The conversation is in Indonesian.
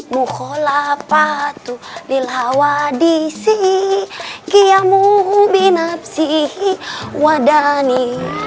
mukulah patuh dilawadi si kiamu binabzihi wadani